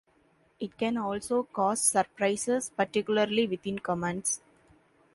It can also cause surprises, particularly within comments.